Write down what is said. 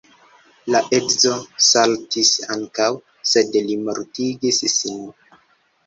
La edzo saltis ankaŭ, sed li mortigis sin.